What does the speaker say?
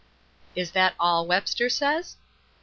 "Is that all that Webster says?"